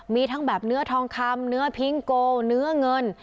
มีทั้งแบบเนื้อทองคำเนื้อพิงโกเนื้อเงิน